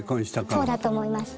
そうだと思います。